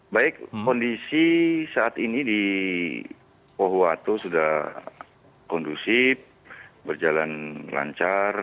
baik kondisi saat ini di pohuwato sudah kondusif berjalan lancar